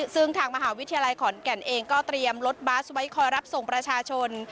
ซึ่งทางมหาวิทยาลัยขอนแก่นเองก็เตรียมรถบัสไว้คอยรับส่งประชาชน